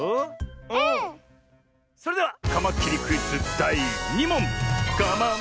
それではカマキリクイズだい２もん。